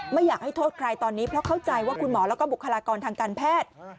ไม่อยากให้โทษใครตอนนี้เพราะเข้าใจว่าคุณหมอแล้วก็บุคลากรทางการแพทย์